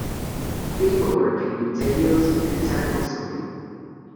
Paperwork can be tedious and time-consuming.